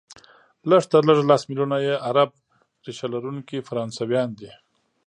لږ تر لږه لس ملیونه یې عرب ریشه لرونکي فرانسویان دي،